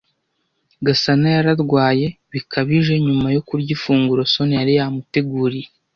Gasana yararwaye bikabije nyuma yo kurya ifunguro Soniya yari yamuteguriye.